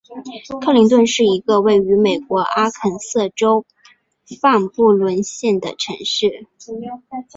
克林顿是一个位于美国阿肯色州范布伦县的城市。